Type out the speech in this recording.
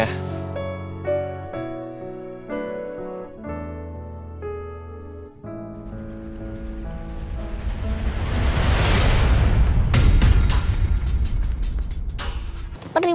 bu aku hantar mereka ya